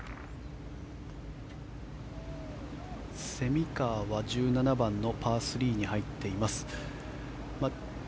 蝉川は１７番のパー３に入っています。